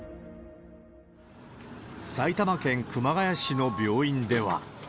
埼玉県熊谷市の病院では。